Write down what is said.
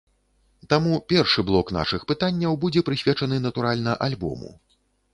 Таму першы блок нашых пытанняў будзе прысвечаны, натуральна, альбому.